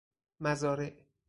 مزارع